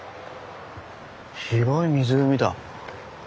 広い湖だ。